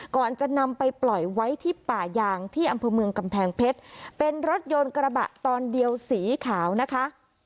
ก่อนจะนำไปปล่อยไว้ที่ป่ายางที่อำเภอเมืองกำแพงเพชรเป็นรถยนต์กระบะตอนเดียวสีขาวนะคะ